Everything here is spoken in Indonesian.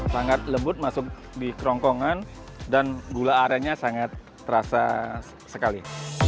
sangat lembut masuk di kerongkongan dan gula arennya sangat terasa sekali